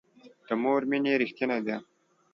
د مور مینه ریښتینې ده